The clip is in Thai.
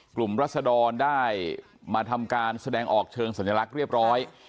รัศดรได้มาทำการแสดงออกเชิงสัญลักษณ์เรียบร้อย